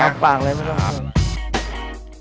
รับปากเลยไม่ต้องปรุง